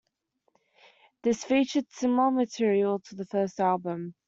This featured similar material to the first album.